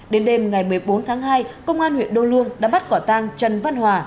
đến đêm ngày một mươi bốn tháng hai công an huyện đô lương đã bắt quả tang trần văn hòa